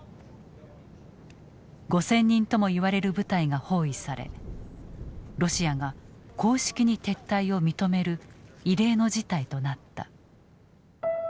５，０００人ともいわれる部隊が包囲されロシアが公式に撤退を認める異例の事態となった。